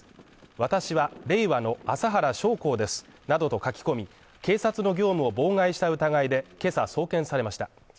私は、令和の麻原彰晃ですなどと書き込み、警察の業務を妨害した疑いでけさ送検されました。